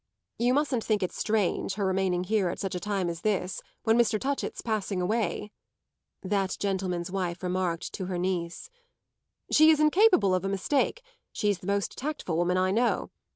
"You mustn't think it strange her remaining here at such a time as this, when Mr. Touchett's passing away," that gentleman's wife remarked to her niece. "She is incapable of a mistake; she's the most tactful woman I know.